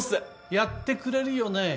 やってくれるよね？